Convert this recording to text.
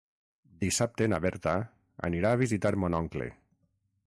Dissabte na Berta anirà a visitar mon oncle.